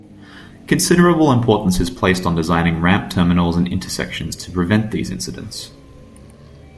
Considerable importance is placed on designing ramp terminals and intersections to prevent these incidents.